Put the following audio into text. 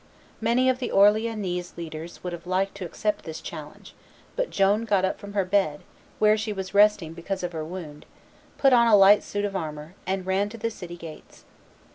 Many of the Orleannese leaders would have liked to accept this challenge; but Joan got up from her bed, where she was resting because of her wound, put on a light suit of armor, and ran to the city gates.